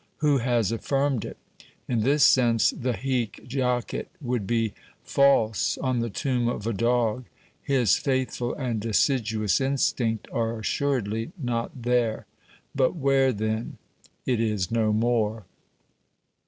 Who has affirmed it ? In this sense the hie jacct would be false on the tomb of a dog; his faithful and assiduous instinct are assuredly not there. But where then ? It is no more.